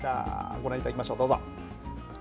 ご覧いただきましょう。